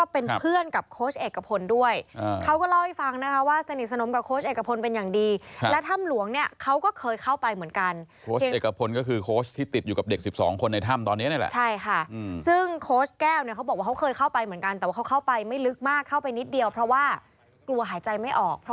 เป็นเพื่อนกับโค้ชเอกพลด้วยเขาก็เล่าให้ฟังนะคะว่าสนิทสนมกับโค้ชเอกพลเป็นอย่างดีและถ้ำหลวงเนี่ยเขาก็เคยเข้าไปเหมือนกันโค้ชเอกพลก็คือโค้ชที่ติดอยู่กับเด็กสิบสองคนในถ้ำตอนนี้นี่แหละใช่ค่ะซึ่งโค้ชแก้วเนี่ยเขาบอกว่าเขาเคยเข้าไปเหมือนกันแต่ว่าเขาเข้าไปไม่ลึกมากเข้าไปนิดเดียวเพราะว่ากลัวหายใจไม่ออกเพราะ